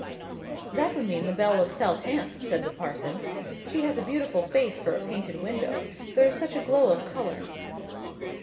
"That would mean the belle of South Hants," said the parson. "She has a beautiful face for a painted window there is such a glow of colour."